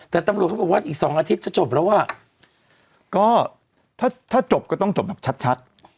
แต่ตำรวจเขาบอกว่าอีก๒อาทิตย์จะจบแล้วอ่ะก็ถ้าจบก็ต้องจบแบบชัด